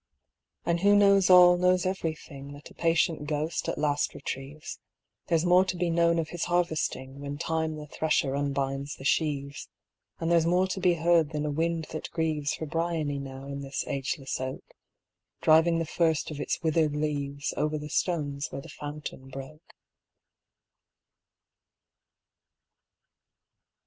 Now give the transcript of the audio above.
And who knows all knows everything That a patient ghost at last retrieves; There's more to be known of his harvesting When Time the thresher unbinds the sheaves; And there's more to be heard than a wind that grieves For Briony now in this ageless oak, Driving the first of its withered leaves Over the stones where the fountain broke.